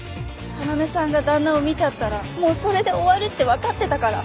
要さんが旦那を見ちゃったらもうそれで終わりってわかってたから。